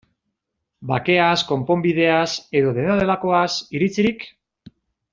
Bakeaz, konponbideaz, edo dena delakoaz iritzirik?